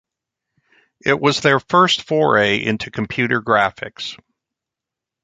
It was their first foray into computer graphics.